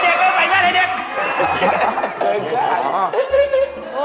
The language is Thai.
โอ้โฮ